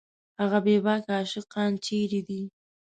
هغه بېباکه عاشقان چېرې دي